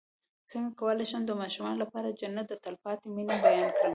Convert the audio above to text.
څنګه کولی شم د ماشومانو لپاره د جنت د تل پاتې مینې بیان کړم